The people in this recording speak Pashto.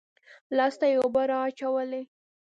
لاس ته يې اوبه رااچولې.